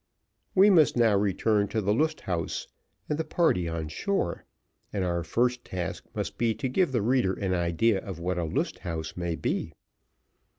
We must now return to the Lust Haus, and the party on shore; and our first task must be, to give the reader an idea of what a Lust Haus may be.